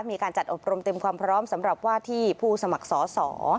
มีการจัดอบรมเต็มความพร้อมสำหรับว่าที่ผู้สมัครสอสอ